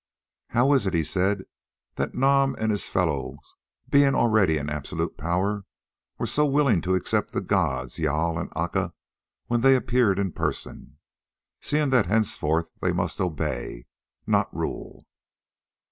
"How is it," he said, "that Nam and his fellows, being already in absolute power, were so willing to accept the gods Jâl and Aca when they appeared in person, seeing that henceforth they must obey, not rule?"